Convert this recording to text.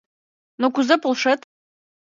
Но кузе полшет?